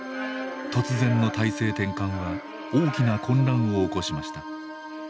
突然の体制転換は大きな混乱を起こしました。